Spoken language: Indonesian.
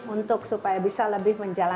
untuk supaya bisa lebih menjaga kita